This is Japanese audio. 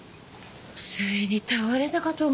ついに倒れたかと思ったわよ。